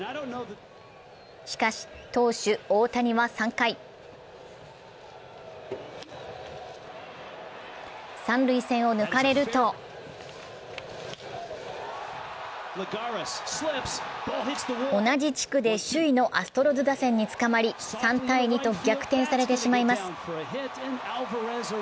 しかし投手・大谷は３回、三塁線を抜かれると同じ地区で首位のアストロズ打線につかまり、３−２と逆転されてしまいます。